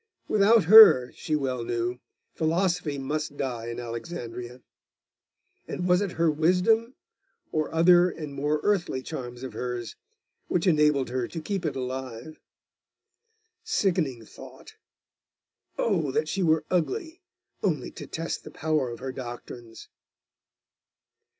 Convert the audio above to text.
Without her, she well knew, philosophy must die in Alexandria. And was it her wisdom or other and more earthly charms of hers which enabled her to keep it alive? Sickening thought! Oh, that she were ugly, only to test the power of her doctrines!